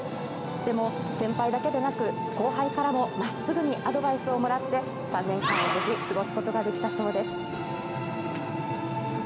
でも、先輩だけでなく後輩からもまっすぐにアドバイスをもらって３年間を無事過ごすことができたそうです。